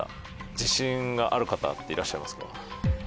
自信がある方っていらっしゃいますか？